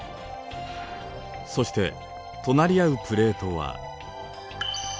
そして隣り合うプレートは。